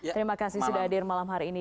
terima kasih sudadir malam hari ini